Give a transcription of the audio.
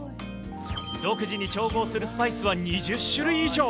独自に調合するスパイスは２０種類以上。